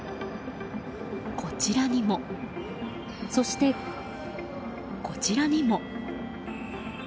こちらにも、そしてこちらにも。